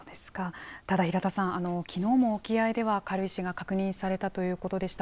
ただ平田さん、きのうも沖合では軽石が確認されたということでした。